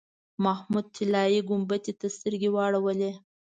محمود طلایي ګنبدې ته سترګې واړولې.